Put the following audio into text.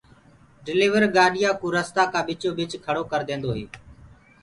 ڊليور گآڏِيآ ڪو رستآ ڪي ٻچو ٻچ کيڙو ڪر ديندوئي